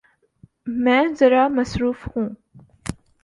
میں ذرا مصروف ہوں۔